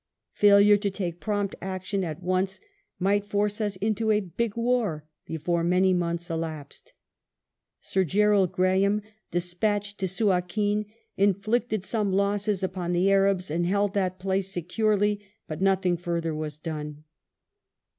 Failure to take prompt action at once might force us into a big war ''before many months elapsed".^ Sir Gerald Graham, despatched to Suakim, inflicted some losses upon the Arabs and held that place securely, but nothing further was done.